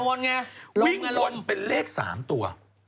ปลาหมึกแท้เต่าทองอร่อยทั้งชนิดเส้นบดเต็มตัว